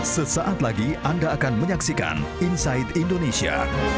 sesaat lagi anda akan menyaksikan inside indonesia